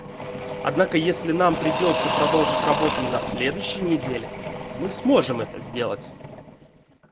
Однако если нам придется продолжить работу и на следующей неделе, мы сможем это сделать.